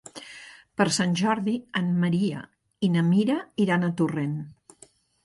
Per Sant Jordi en Maria i na Mira iran a Torrent.